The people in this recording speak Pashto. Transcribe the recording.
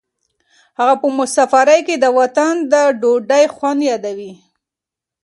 هغه په مسافرۍ کې د وطن د ډوډۍ خوند یادوي.